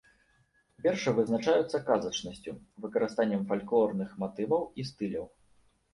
Вершы вызначаюцца казачнасцю, выкарыстаннем фальклорных матываў і стыляў.